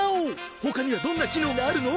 他にはどんな機能があるの？